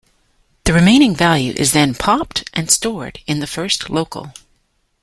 The remaining value is then popped and stored in the first local.